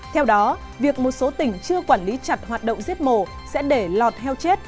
theo đó việc một số tỉnh chưa quản lý chặt hoạt động giết mổ sẽ để lọt heo chết